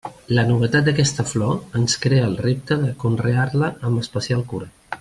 La novetat d'aquesta flor ens crea el repte de conrear-la amb especial cura.